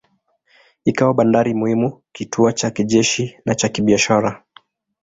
Ikawa bandari muhimu, kituo cha kijeshi na cha kibiashara.